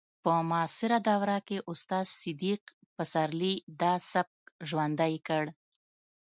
په معاصره دوره کې استاد صدیق پسرلي دا سبک ژوندی کړ